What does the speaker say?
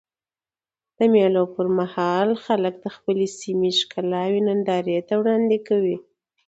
د مېلو پر مهال خلک د خپلي سیمي ښکلاوي نندارې ته وړاندي کوي.